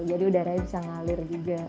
jadi udaranya bisa ngalir juga